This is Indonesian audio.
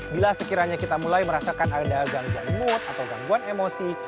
bila sekiranya kita mulai merasakan ada gangguan mood atau gangguan emosi